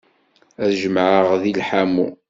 Ad t-jemɛeɣ deg lḥamu.